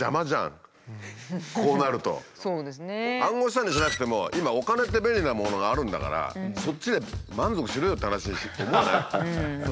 暗号資産にしなくても今お金っていう便利なものがあるんだからそっちで満足しろよって話思わない？